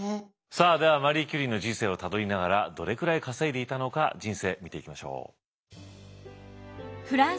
さあではマリー・キュリーの人生をたどりながらどれくらい稼いでいたのか人生見ていきましょう。